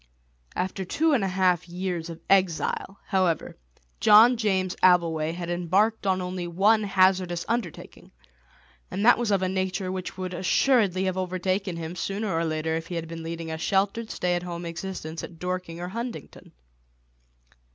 After two and a half years of exile, however, John James Abbleway had embarked on only one hazardous undertaking, and that was of a nature which would assuredly have overtaken him sooner or later if he had been leading a sheltered, stay at home existence at Dorking or Huntingdon.